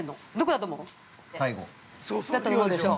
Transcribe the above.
◆だと思うでしょう？